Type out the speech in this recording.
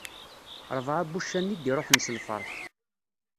Rebɛa n wuccanen i d-iruḥen s lferḥ.